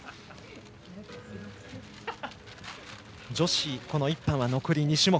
女子１班は残り２種目。